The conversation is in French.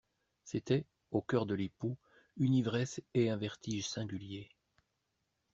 C'était, au cœur de l'époux, une ivresse et un vertige singuliers.